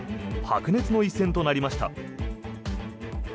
白熱の一戦となりました。